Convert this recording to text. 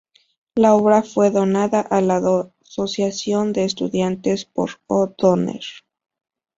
La obra fue donada a la asociación de estudiantes por O. Donner.